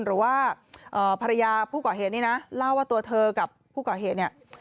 หรือว่าภรรยาผู้ก่อเหตุนี่นะเล่าว่าตัวเธอกับผู้ก่อเหตุเนี่ย